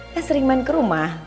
dia sering main ke rumah